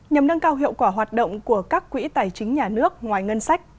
nhằm nâng cao hiệu quả hoạt động của các quỹ tài chính nhà nước ngoài ngân sách